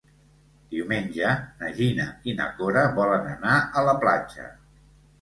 Diumenge na Gina i na Cora volen anar a la platja.